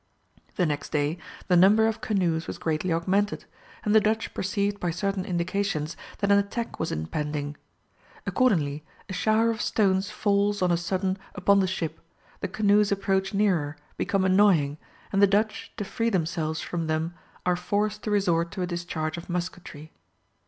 The next day the number of canoes was greatly augmented, and the Dutch perceived by certain indications that an attack was impending. Accordingly, a shower of stones falls on a sudden upon the ship, the canoes approach nearer, become annoying, and the Dutch to free themselves from them are forced to resort to a discharge of musketry.